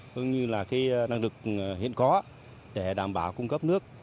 cũng như là năng lực hiện có để đảm bảo cung cấp nước